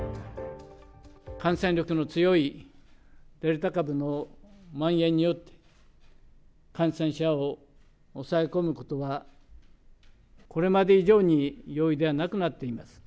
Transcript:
感染力の強いデルタ株のまん延によって、感染者を抑え込むことはこれまで以上に容易ではなくなっています。